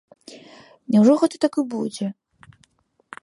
Няўжо гэта так і будзе?